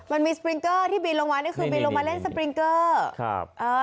มันมีสปริงเกอร์ไง